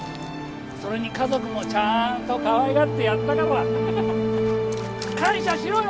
それに家族もちゃーんとかわいがってやったから感謝しろよ。